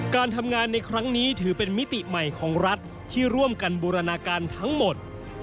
การทำงานในครั้งนี้ถือเป็นมิติใหม่ของรัฐที่ร่วมกันบูรณาการทั้งหมด